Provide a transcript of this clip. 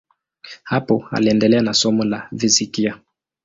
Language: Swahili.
Hapo aliendelea na somo la fizikia.